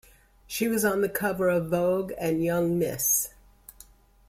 She was on the cover of "Vogue" and "Young Miss".